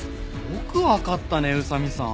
よくわかったね宇佐見さん。